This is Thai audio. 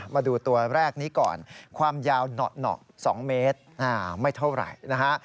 มาดูตัวแรกนี้ก่อนความยาวเหนาะ๒เมตรไม่เท่าไหร่นะฮะ